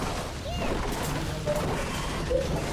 ايمونداري مون رھيوُ کپي